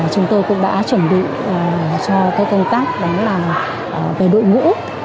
chúng tôi cũng đã chuẩn bị cho công tác về đội ngũ